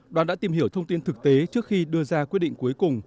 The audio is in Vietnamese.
đoàn đã tìm hiểu thông tin thực tế trước khi đưa ra quyết định cuối cùng